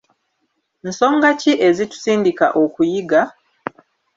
Nsonga ki ezitusindika okuyiga?